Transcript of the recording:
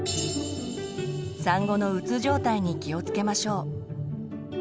産後のうつ状態に気を付けましょう。